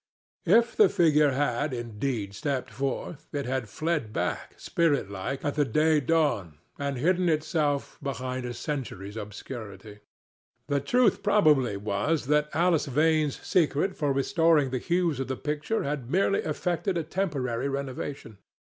If the figure had, indeed, stepped forth, it had fled back, spirit like, at the day dawn, and hidden itself behind a century's obscurity. The truth probably was that Alice Vane's secret for restoring the hues of the picture had merely effected a temporary renovation.